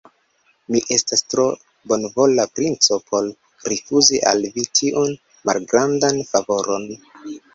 Mi estas tro bonvola princo por rifuzi al vi tiun malgrandan favoron.